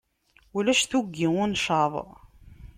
Ulac tuggi ur ncaḍ.